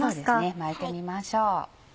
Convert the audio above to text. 巻いてみましょう。